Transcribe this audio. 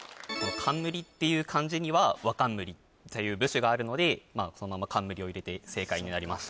冠っていう漢字にはわかんむりっていう部首があるのでそのまま冠を入れて正解になりました